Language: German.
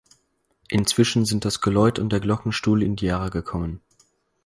Inzwischen sind das Geläut und der Glockenstuhl in die Jahre gekommen.